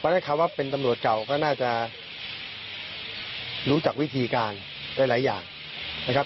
ได้หลายอย่างนะครับ